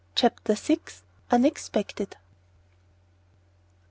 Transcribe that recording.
CHAPTER VI. UNEXPECTED.